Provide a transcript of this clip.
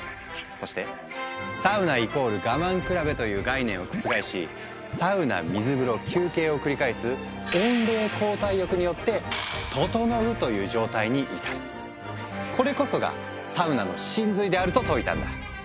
そして「サウナ＝我慢比べ」という概念を覆し「サウナ水風呂休憩」を繰り返す「温冷交代浴」によって「ととのう」という状態に至るこれこそがサウナの神髄であると説いたんだ。